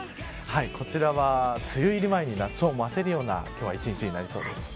こちらは梅雨入り前に夏を思わせるような一日になりそうです。